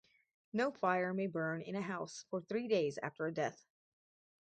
No fire may burn in a house for three days after a death.